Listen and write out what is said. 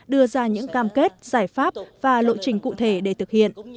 đưa ra những cam kết giải pháp và lộ trình cụ thể để thực hiện